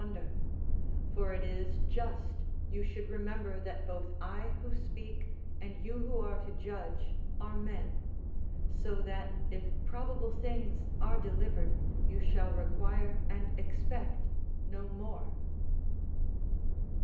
For it is just you should remember that both I who speak and you who are to judge, are men; so that if probable things are delivered, you shall require and expect no more."